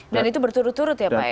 dan itu berturut turut ya pak ya